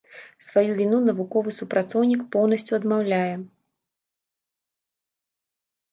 Сваю віну навуковы супрацоўнік поўнасцю адмаўляе.